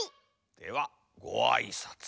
ではごあいさつ。